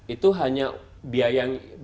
itu hanya biaya yang